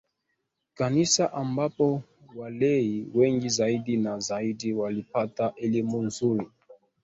Kanisa ambapo walei wengi zaidi na zaidi walipata elimu nzuri